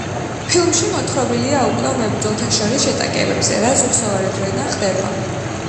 ფილმში მოთხრობილია უკვდავ მებრძოლთა შორის შეტაკებებზე, რაც უხსოვარი დროიდან ხდება.